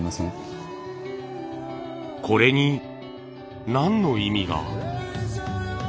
これに何の意味が？